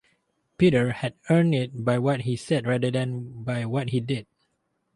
Peter had earned it by what he said rather than by what he did.